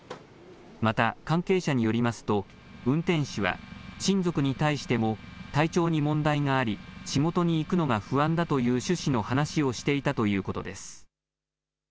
また関係者によりますと運転手は親族に対しても体調に問題があり仕事に行くのが不安だという趣旨の話をしていたということです。